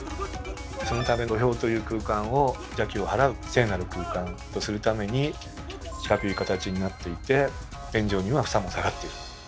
そのため土俵という空間を邪気を払う聖なる空間とするために四角い形になっていて天井には房も下がっている。